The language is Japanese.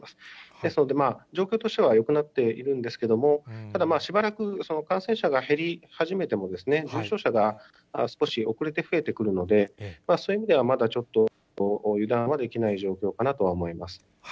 ですので、状況としてはよくなっているんですけれども、ただ、しばらく、感染者が減り始めても、重症者が少し遅れて増えてくるので、そういう意味ではまだちょっと油断はできない状況かなとは思います。